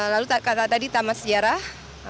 lalu tadi taman sejarah